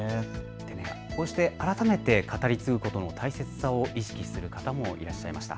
こうして改めて語り継ぐことの大切さを意識する方もいらっしゃいました。